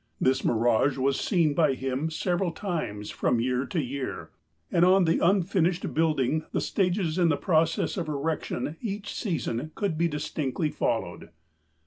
This mirage was seen by him several times from year to year, and on the unfinished building the stages in the process of erection each season could be distinctly followed.